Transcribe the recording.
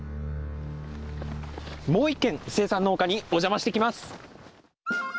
もう一軒生産農家にお邪魔してきます！